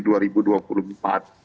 ditambah lagi juga pilkada ini juga